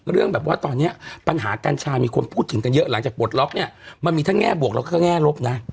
เรื่องแบบว่าตอนนี้ปัญหากัญชามีคนพูดถึงกันเยอะหลังจากปลดล็อกเนี่ยมันมีทั้งแง่บวกแล้วก็แง่ลบนะ